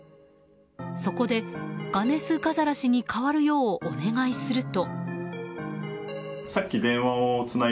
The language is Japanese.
そこでガネスガザラ氏に代わるようお願いすると。